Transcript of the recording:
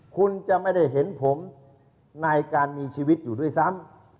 คุณจะไม่ได้เห็นผมในการมีชีวิตอยู่ด้วยซ้ำ